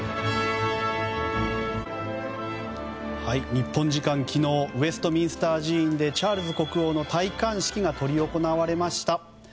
日本時間昨日ウェストミンスター寺院でチャールズ国王の戴冠式が執り行われました。